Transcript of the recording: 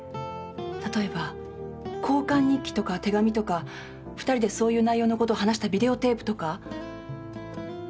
例えば交換日記とか手紙とか二人でそういう内容のことを話したビデオテープとか？